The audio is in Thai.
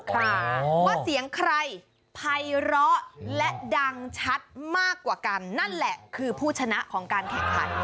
ว่าเสียงใครภัยร้อและดังชัดมากกว่ากันนั่นแหละคือผู้ชนะของการแข่งขัน